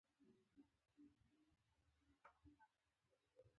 دا خاوره زموږ د نیکونو امانت دی.